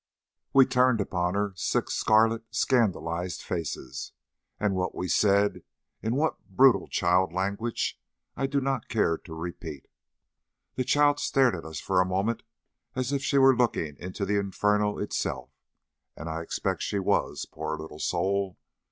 We turned upon her six scarlet scandalized faces, and what we said, in what brutal child language, I do not care to repeat. The child stared at us for a moment as if she were looking into the Inferno itself, and I expect she was, poor little soul!